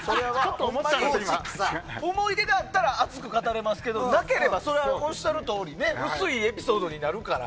思い出だったら熱く語れますけど、なければおっしゃるとおり薄いエピソードになるから。